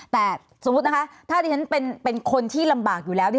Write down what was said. แต่สมมุตินะคะถ้าที่ฉันเป็นคนที่ลำบากอยู่แล้ว